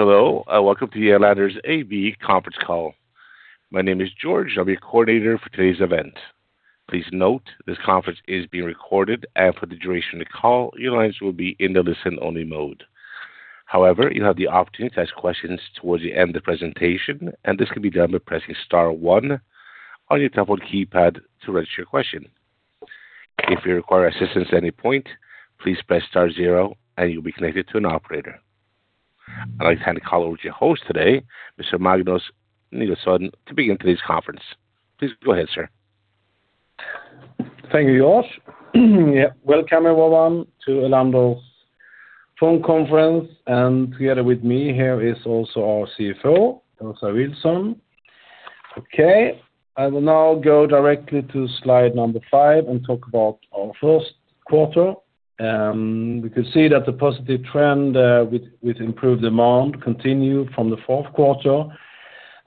Hello, and welcome to the Elanders AB conference call. My name is George. I'll be your coordinator for today's event. Please note this conference is being recorded, and for the duration of the call, your lines will be in the listen-only mode. However, you have the option to ask questions towards the end of presentation, and this can be done by pressing star one on your telephone keypad to register your question. If you require assistance at any point, please press star zero and you'll be connected to an operator. I'd like to hand the call over to your host today, Mr. Magnus Nilsson, to begin today's conference. Please go ahead, sir. Thank you, George. Welcome everyone to Elanders phone conference, and together with me here is also our CFO, Åsa Vilson. Okay, I will now go directly to slide number five and talk about our first quarter. We can see that the positive trend with improved demand continued from the fourth quarter,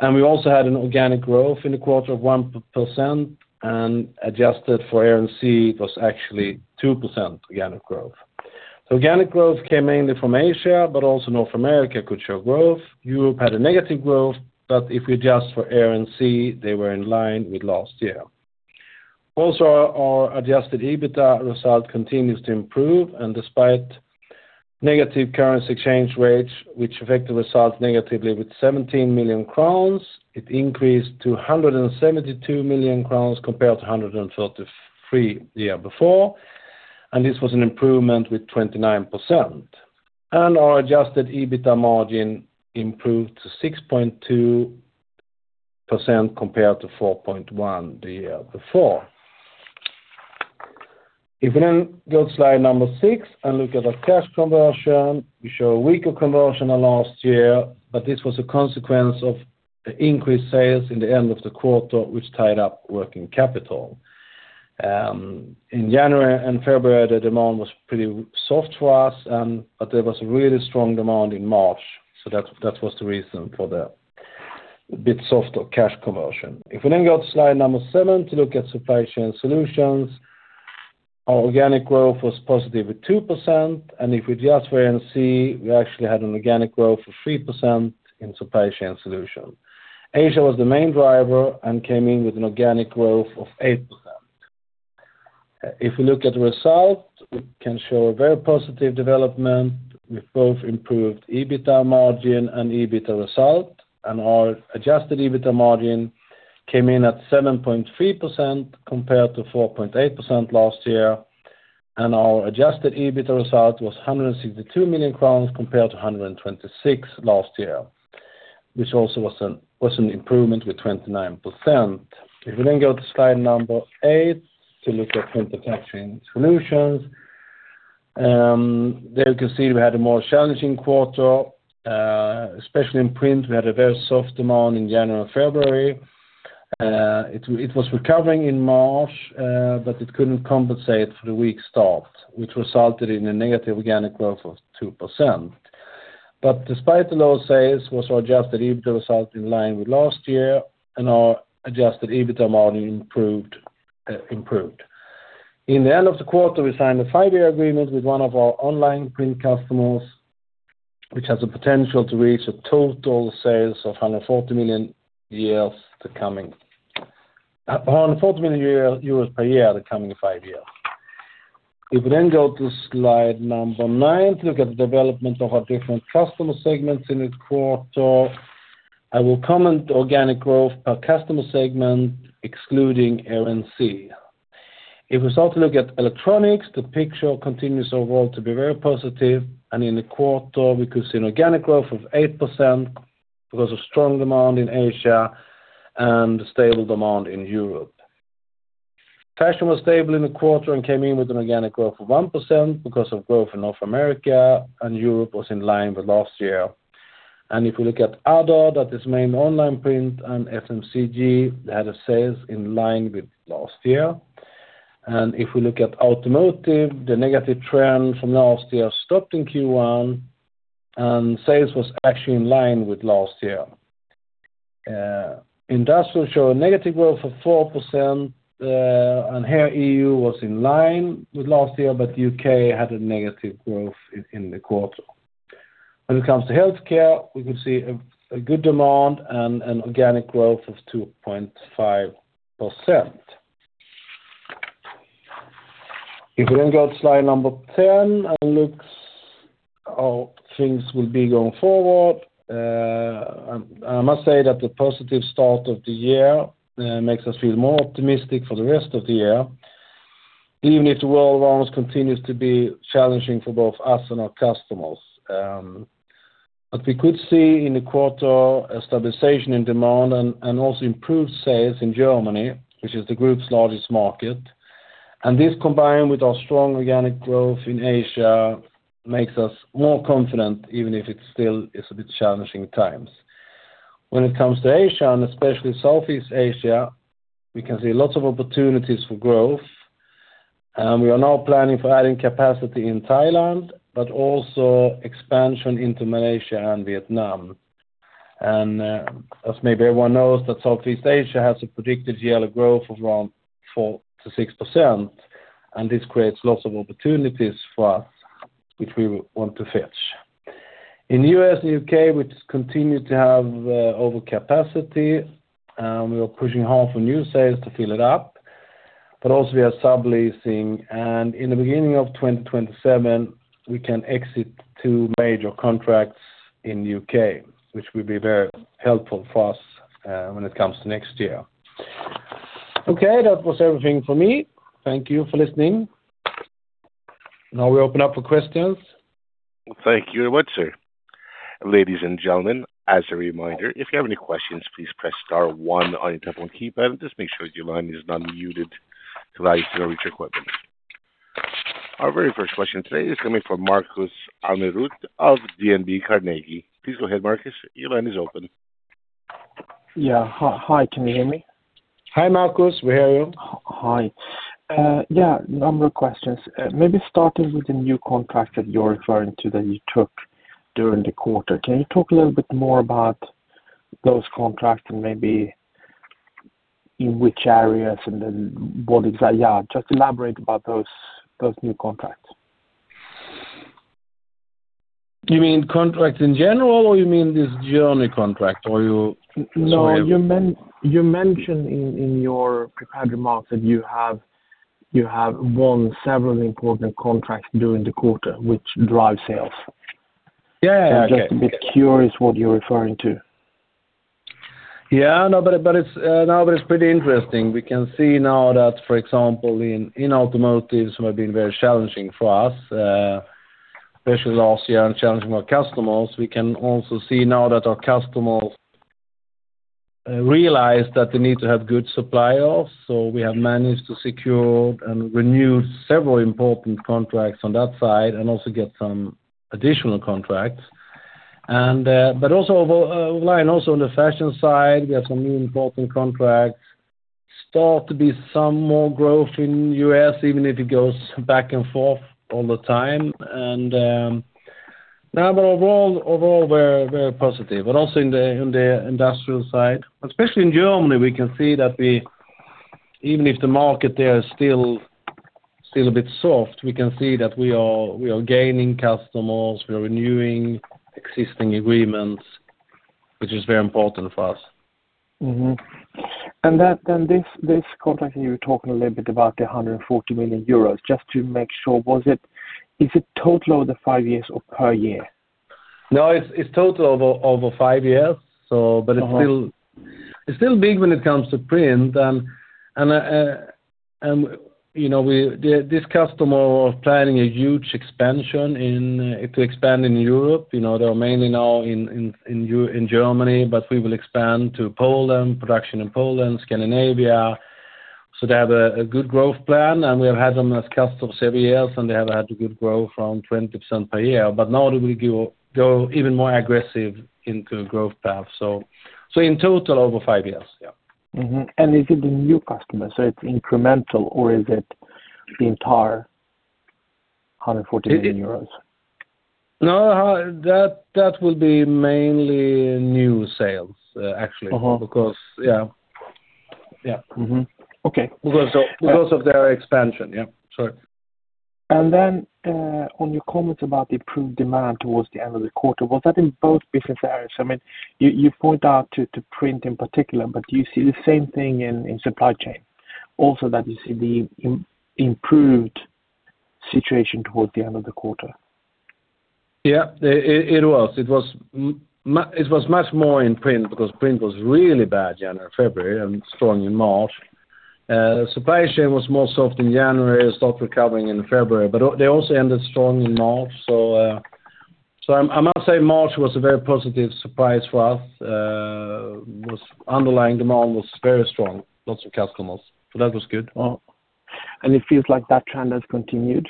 and we also had an organic growth in the quarter of 1%, and adjusted for FX, it was actually 2% organic growth. Organic growth came mainly from Asia, but also North America could show growth. Europe had a negative growth, but if we adjust for FX, they were in line with last year. Also, our adjusted EBITA result continues to improve and despite negative currency exchange rates, which affect the results negatively with 17 million crowns, it increased to 172 million crowns compared to 133 million the year before, and this was an improvement with 29%. Our adjusted EBITA margin improved to 6.2% compared to 4.1% the year before. If we then go to slide number six and look at our cash conversion, we show a weaker conversion than last year, but this was a consequence of the increased sales in the end of the quarter, which tied up working capital. In January and February, the demand was pretty soft for us, but there was a really strong demand in March, so that was the reason for a bit softer cash conversion. If we then go to slide number seven to look at Supply Chain Solutions, our organic growth was positive at 2% and if we adjust for FX, we actually had an organic growth of 3% in Supply Chain Solutions. Asia was the main driver and came in with an organic growth of 8%. If we look at the result, we can show a very positive development with both improved EBITA margin and EBITA result. Our adjusted EBITA margin came in at 7.3% compared to 4.8% last year. Our adjusted EBITA result was 162 million crowns compared to 126 million last year, which also was an improvement with 29%. If we then go to slide number eight to look at Print & Packaging Solutions, there you can see we had a more challenging quarter, especially in print. We had a very soft demand in January and February. It was recovering in March, but it couldn't compensate for the weak start, which resulted in a negative organic growth of 2%. Despite the low sales, was our adjusted EBITA result in line with last year and our adjusted EBITA margin improved. At the end of the quarter, we signed a five-year agreement with one of our online print customers, which has the potential to reach total sales of 140 million per year the coming five years. If we then go to slide number nine to look at the development of our different customer segments in this quarter. I will comment organic growth per customer segment excluding FX. If we start to look at electronics, the picture continues overall to be very positive, and in the quarter we could see an organic growth of 8% because of strong demand in Asia and stable demand in Europe. Fashion was stable in the quarter and came in with an organic growth of 1% because of growth in North America, and Europe was in line with last year. If we look at other, that is main online print and FMCG, they had sales in line with last year. If we look at automotive, the negative trend from last year stopped in Q1, and sales was actually in line with last year. Industrial showed a negative growth of 4%, and here E.U. was in line with last year, but U.K. had a negative growth in the quarter. When it comes to healthcare, we could see a good demand and an organic growth of 2.5%. If we then go to slide number 10 and look how things will be going forward, I must say that the positive start of the year makes us feel more optimistic for the rest of the year, even if the world around us continues to be challenging for both us and our customers. We could see in the quarter a stabilization in demand and also improved sales in Germany, which is the group's largest market. This, combined with our strong organic growth in Asia, makes us more confident, even if it still is a bit challenging times. When it comes to Asia and especially Southeast Asia, we can see lots of opportunities for growth, and we are now planning for adding capacity in Thailand but also expansion into Malaysia and Vietnam. As maybe everyone knows, that Southeast Asia has a predicted yearly growth of around 4%-6%, and this creates lots of opportunities for us, which we want to fetch. In U.S. and U.K., which continue to have overcapacity, we are pushing hard for new sales to fill it up. Also we are subleasing, and in the beginning of 2027, we can exit two major contracts in U.K., which will be very helpful for us when it comes to next year. Okay, that was everything for me. Thank you for listening. Now we open up for questions. Thank you. You're welcome, sir. Ladies and gentlemen, as a reminder, if you have any questions, please press star one on your telephone keypad. Just make sure your line is unmuted to allow you to reach a representative. Our very first question today is coming from Markus Almerud of DNB Carnegie. Please go ahead, Markus. Your line is open. Yeah. Hi, can you hear me? Hi, Markus, we hear you. Hi. Yeah, a number of questions. Maybe starting with the new contract that you're referring to that you took during the quarter. Can you talk a little bit more about those contracts and maybe in which areas? Yeah, just elaborate about those new contracts. You mean contracts in general, or you mean this Germany contract? Sorry. No, you mentioned in your prepared remarks that you have won several important contracts during the quarter, which drive sales. Yeah. Okay. Just a bit curious what you're referring to. Yeah, I know, but it's pretty interesting. We can see now that, for example, in automotive it might have been very challenging for us, especially last year, and for our customers. We can also see now that our customers realized that they need to have good suppliers. We have managed to secure and renew several important contracts on that side and also get some additional contracts. Also on the fashion side, we have some new important contracts, start to see some more growth in the U.S., even if it goes back and forth all the time. Now overall we're very positive. Also in the industrial side, especially in Germany, we can see that even if the market there is still a bit soft, we can see that we are gaining customers, we are renewing existing agreements, which is very important for us. This contract that you were talking a little bit about, the 140 million euros, just to make sure, is it total over the five years or per year? No, it's total over five years. Uh-huh. It's still big when it comes to print. This customer was planning a huge expansion to expand in Europe. They're mainly now in Germany, but we will expand to Poland, production in Poland, Scandinavia. They have a good growth plan, and we have had them as customers for several years, and they have had a good growth from 20% per year, but now they will go even more aggressive into growth path. In total, over five years. Yeah. Is it a new customer, so it's incremental, or is it the entire 140 million euros? No, that will be mainly new sales, actually. Uh-huh. Yeah. Mm-hmm. Okay. Because of their expansion. Yeah, sorry. On your comments about the improved demand toward the end of the quarter, was that in both business areas? You point out to print in particular, but do you see the same thing in supply chain? Also that you see the improved situation toward the end of the quarter? Yeah, it was. It was much more in Print because Print was really bad in January, February, and strong in March. Supply Chain was softer in January, started recovering in February, but they also ended strong in March. I must say March was a very positive surprise for us. Underlying demand was very strong, lots of customers. That was good. It feels like that trend has continued?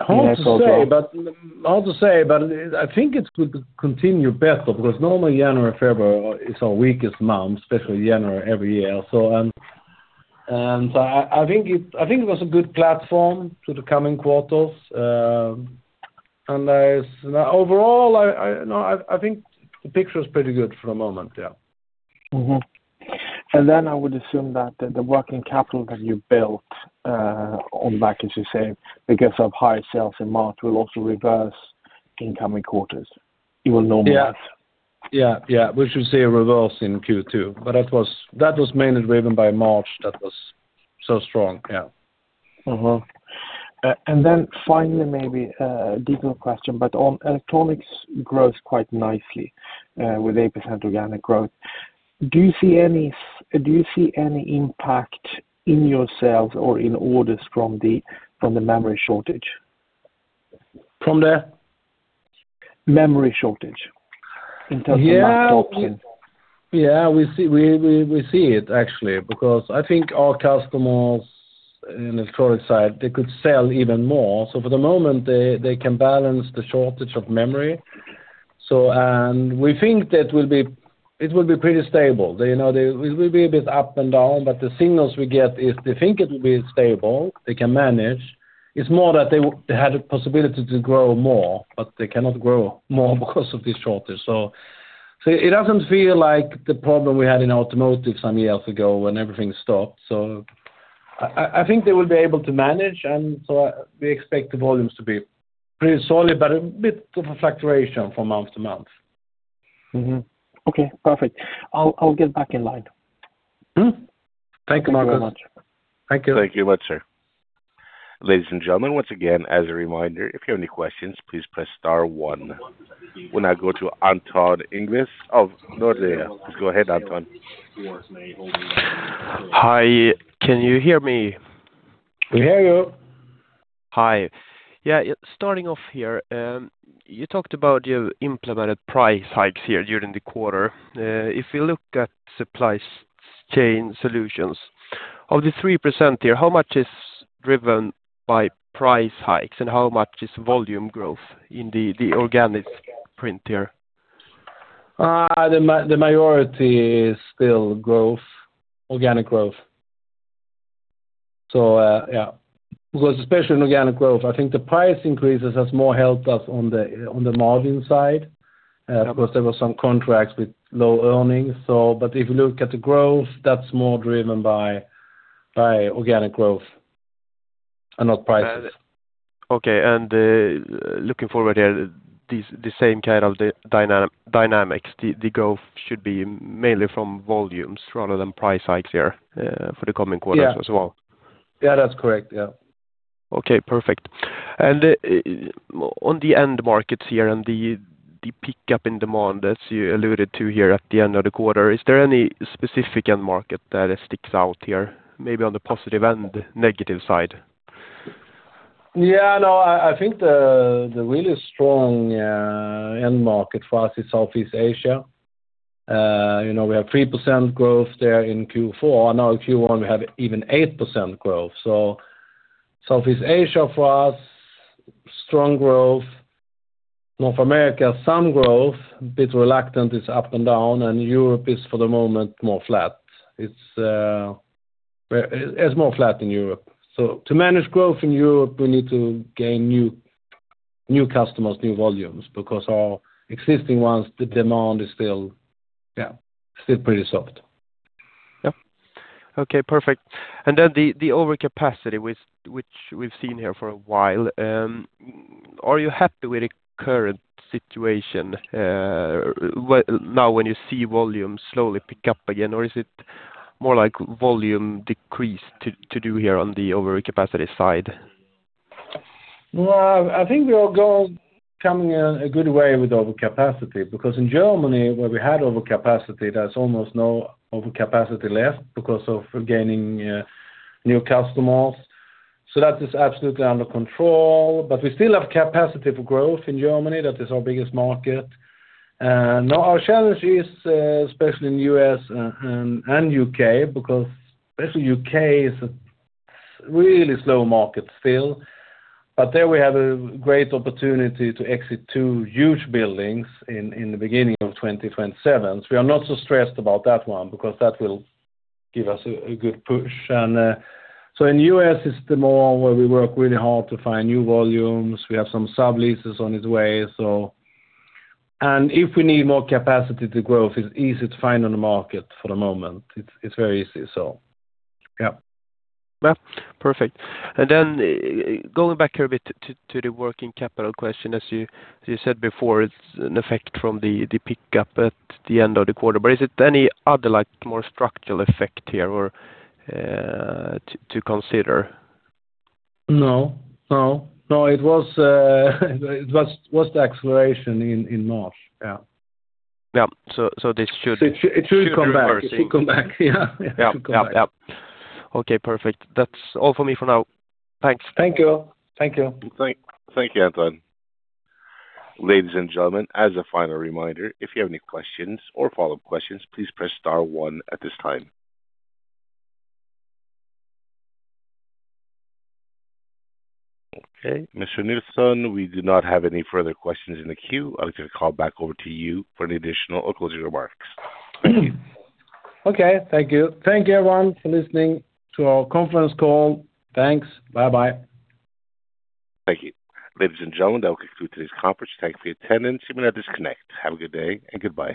Hard to say, but I think it could continue better because normally January, February is our weakest month, especially January every year. I think it was a good platform to the coming quarters. Overall, I think the picture is pretty good for the moment. Yeah. I would assume that the working capital that you built on the back, as you say, because of higher sales in March, will also reverse in coming quarters, even though more. Yeah. We should see a reversal in Q2, but that was mainly driven by March. That was so strong. Yeah. Finally, maybe a different question, but on electronics grows quite nicely, with 8% organic growth. Do you see any impact in your sales or in orders from the memory shortage? From the? Memory shortage in terms of laptops and. Yeah. We see it actually, because I think our customers in electronic side, they could sell even more. For the moment, they can balance the shortage of memory. We think that will be. It will be pretty stable. It will be a bit up and down, but the signals we get is they think it will be stable, they can manage. It's more that they had a possibility to grow more, but they cannot grow more because of this shortage. It doesn't feel like the problem we had in automotive some years ago when everything stopped. I think they will be able to manage, and we expect the volumes to be pretty solid, but a bit of a fluctuation from month to month. Mm-hmm. Okay, perfect. I'll get back in line. Mm-hmm. Thank you. Thank you very much. Thank you. Thank you much, sir. Ladies and gentlemen, once again, as a reminder, if you have any questions, please press star one. We'll now go to Anton Ingildsen, Nordea. Go ahead, Anton. Hi, can you hear me? We hear you. Hi. Yeah, starting off here. You talked about implementing price hikes here during the quarter. If you look at Supply Chain Solutions, of the 3% here, how much is driven by price hikes and how much is volume growth in the organic print here? The majority is still growth, organic growth. Yeah. Because especially in organic growth, I think the price increases has more helped us on the margin side. Of course, there were some contracts with low earnings. If you look at the growth, that's more driven by organic growth and not prices. Okay. Looking forward here, the same kind of dynamics, the growth should be mainly from volumes rather than price hikes here for the coming quarters as well. Yeah, that's correct. Yeah. Okay, perfect. On the end markets here and the pickup in demand, as you alluded to here at the end of the quarter, is there any specific end market that sticks out here? Maybe on the positive and negative side? Yeah, no. I think the really strong end market for us is Southeast Asia. We have 3% growth there in Q4. Now in Q1, we have even 8% growth. Southeast Asia for us, strong growth. North America, some growth, a bit reluctant, it's up and down. Europe is for the moment more flat. It's more flat in Europe. To manage growth in Europe, we need to gain new customers, new volumes, because our existing ones, the demand is still, yeah, still pretty soft. Yep. Okay, perfect. The overcapacity, which we've seen here for a while. Are you happy with the current situation, now when you see volume slowly pick up again? Is it more like volume decrease due to the overcapacity side? Well, I think we are coming a good way with overcapacity, because in Germany, where we had overcapacity, there's almost no overcapacity left because of gaining new customers. That is absolutely under control. We still have capacity for growth in Germany. That is our biggest market. Now, our challenge is, especially in U.S. and U.K., because especially U.K. is a really slow market still. There we have a great opportunity to exit two huge buildings in the beginning of 2027. We are not so stressed about that one because that will give us a good push. In U.S. it's the more where we work really hard to find new volumes. We have some subleases on its way. If we need more capacity, the growth is easy to find on the market for the moment. It's very easy, so yeah. Yeah. Perfect. Then going back here a bit to the working capital question, as you said before, it's an effect from the pickup at the end of the quarter. Is it any other more structural effect here or to consider? No. It was the acceleration in March. Yeah. Yeah. This should It should come back. Come back soon. It should come back. Yeah. Yep. Okay, perfect. That's all for me for now. Thanks. Thank you. Thank you, Anton. Ladies and gentlemen, as a final reminder, if you have any questions or follow-up questions, please press star one at this time. Okay, Mr. Nilsson, we do not have any further questions in the queue. I'll just call back over to you for any additional or closing remarks. Okay, thank you. Thank you, everyone, for listening to our conference call. Thanks. Bye-bye. Thank you. Ladies and gentlemen, that will conclude today's conference. Thank you for your attendance. You may now disconnect. Have a good day and goodbye.